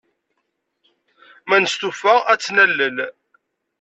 Ma nestufa, ad t-nalel.